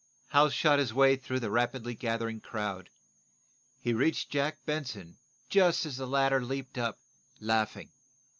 Hal shot his way through the rapidly gathering crowd. He reached Jack Benson just as the latter leaped up, laughing.